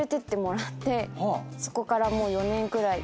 そこからもう４年くらい。